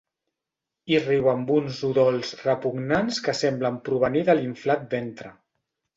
I riu amb uns udols repugnants que semblen provenir de l'inflat ventre.